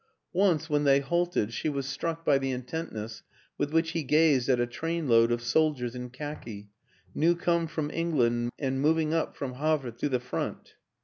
Once when they halted she was struck by the in tentness with which he gazed at a trainload of soldiers in khaki new come from England and moving up from Havre to the front.